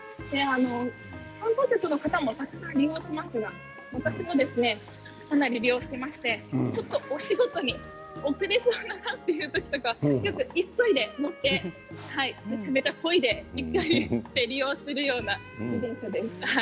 観光客の方もたくさん利用しますが私も、かなり利用していましてちょっとお仕事に遅れそうだなという時とか急いで乗ってめちゃめちゃこいで行ったりして利用するような。